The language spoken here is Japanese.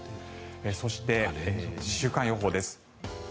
そして、週間予報です。